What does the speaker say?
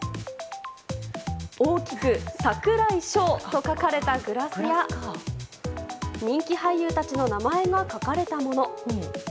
大きく「櫻井翔」と書かれたグラスや人気俳優たちの名前が書かれたもの。